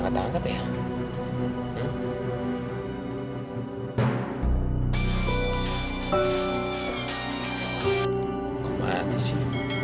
saya nggak sengaja